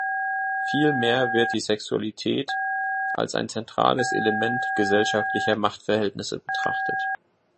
Vielmehr wird die Sexualität als ein zentrales Element gesellschaftlicher Machtverhältnisse betrachtet.